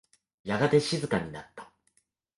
やがて静かになった。